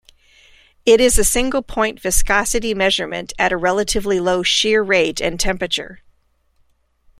It is a single-point viscosity measurement at a relatively low shear rate and temperature.